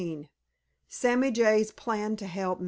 XIV SAMMY JAY'S PLAN TO HELP MRS.